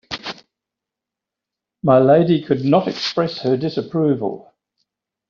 My lady could not express her disapproval.